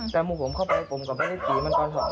แต่มูผมเข้าไปผมก็ไม่ได้ตีมันก่อนครับ